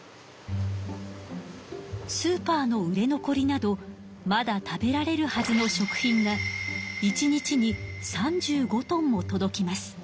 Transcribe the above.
スーパーの売れ残りなどまだ食べられるはずの食品が１日に３５トンも届きます。